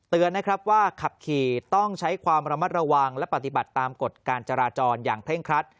นะครับว่าขับขี่ต้องใช้ความระมัดระวังและปฏิบัติตามกฎการจราจรอย่างเคร่งครัด